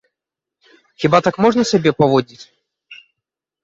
Хіба так можна сябе паводзіць?